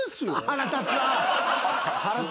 腹立つわ！